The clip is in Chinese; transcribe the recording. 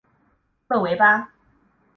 勒维巴。